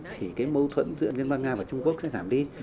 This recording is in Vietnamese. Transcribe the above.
thì cái mâu thuẫn giữa liên bang nga và trung quốc sẽ giảm đi